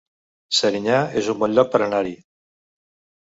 Serinyà es un bon lloc per anar-hi